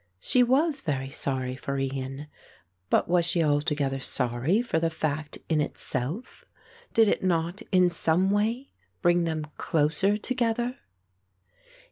She was very sorry for Ian; but was she altogether sorry for the fact in itself? Did it not in some way bring them closer together?